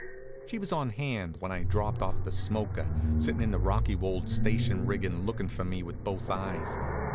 She was on hand when I dropped off the smoker, sittin' in the Rockywold station rig and lookin' for me with both eyes.